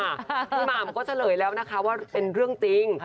หม่ำก็เฉลยแล้วนะคะว่าเป็นเรื่องจริง